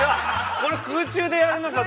これ空中でやるのかと。